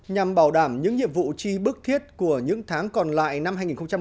nhằm bảo đảm những nhiệm vụ chi bức thiết của những tháng còn lại năm hai nghìn hai mươi